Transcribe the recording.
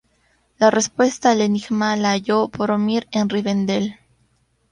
La respuesta al enigma la halló Boromir en Rivendel.